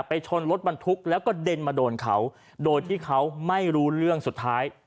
ชนรถบรรทุกแล้วก็เด็นมาโดนเขาโดยที่เขาไม่รู้เรื่องสุดท้าย